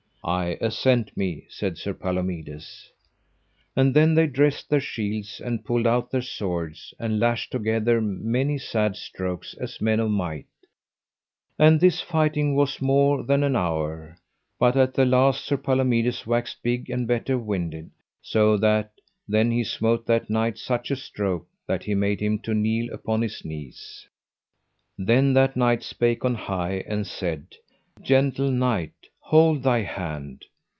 I assent me, said Sir Palomides. And then they dressed their shields, and pulled out their swords, and lashed together many sad strokes as men of might; and this fighting was more than an hour, but at the last Sir Palomides waxed big and better winded, so that then he smote that knight such a stroke that he made him to kneel upon his knees. Then that knight spake on high and said: Gentle knight, hold thy hand.